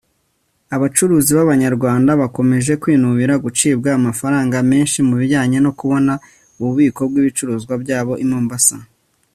Abacuruzi b’Abanyarwanda bakomeje kwinubira gucibwa amafaranga menshi mu bijyanye no kubona ububiko bw’ibicuruzwa byabo i Mombasa